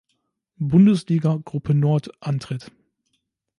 Bundesliga Gruppe Nord antritt.